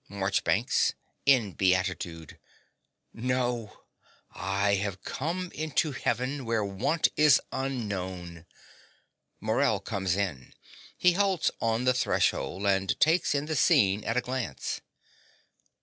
MARCHBANKS (in beatitude). No: I have come into heaven, where want is unknown. (Morell comes in. He halts on the threshold, and takes in the scene at a glance.)